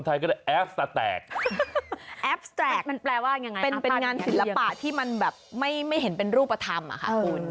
แอปซาแตกเป็นงานศิลปะที่มันแบบไม่เห็นเป็นรูปธรรมค่ะคุณ